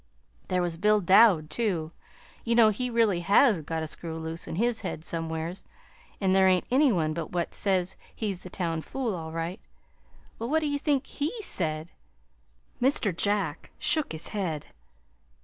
There was Bill Dowd, too. You know he really HAS got a screw loose in his head somewheres, an' there ain't any one but what says he's the town fool, all right. Well, what do ye think HE said?" Mr. Jack shook his head.